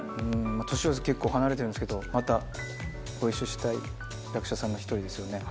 年は結構離れてるんですけど、またご一緒したい役者さんの一人ですよね。